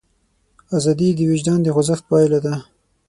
ازادي د وجدان د خوځښت پایله ده.